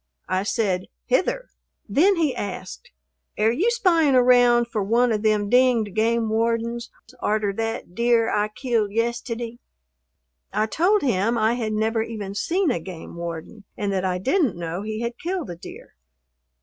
I said "Hither." Then he asked, "Air you spying around for one of them dinged game wardens arter that deer I killed yisteddy?" I told him I had never even seen a game warden and that I didn't know he had killed a deer.